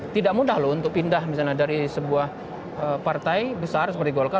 tidak mudah loh untuk pindah misalnya dari sebuah partai besar seperti golkar